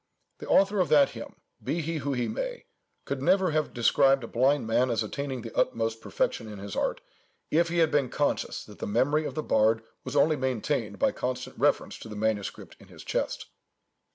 The author of that hymn, be he who he may, could never have described a blind man as attaining the utmost perfection in his art, if he had been conscious that the memory of the bard was only maintained by constant reference to the manuscript in his chest."